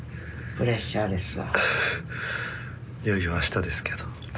いよいよあしたですけど。